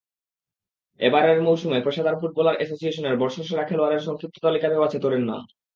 এবারের মৌসুমে পেশাদার ফুটবলার অ্যাসোসিয়েশনের বর্ষসেরা খেলোয়াড়ের সংক্ষিপ্ত তালিকাতেও আছে তোরের নাম।